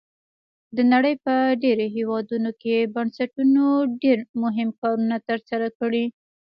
د نړۍ په ډیری هیوادونو کې بنسټونو ډیر مهم کارونه تر سره کړي.